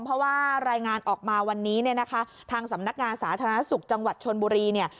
เพราะว่ารายงานออกมาวันนี้ทางสำนักงานสาธารณสุขจังหวัดชนบุรี